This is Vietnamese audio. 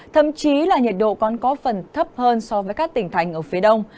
thậm chí là nhiệt độ còn có phần thấp hơn so với các tỉnh thành ở phía đông